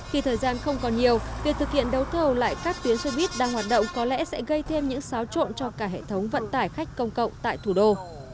khi thời gian không còn nhiều việc thực hiện đấu thầu lại các tuyến xe buýt đang hoạt động có lẽ sẽ gây thêm những xáo trộn cho cả hệ thống vận tải khách công cộng tại thủ đô